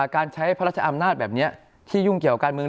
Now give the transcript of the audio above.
การใช้พระราชอำนาจแบบนี้ที่ยุ่งเกี่ยวการเมือง